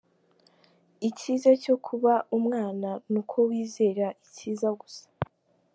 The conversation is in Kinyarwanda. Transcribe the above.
Icyiza cyo kuba umwana ni uko wizera icyiza gusa.